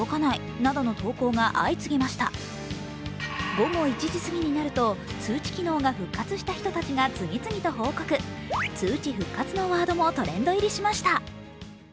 午後１時すぎになると通知機能が復活した人たちが次々と報告。通知復活のワードもトレンド入りしました。